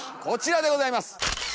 こちらでございます！